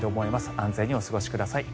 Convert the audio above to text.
安全にお過ごしください。